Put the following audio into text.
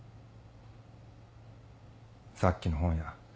さっきの本屋。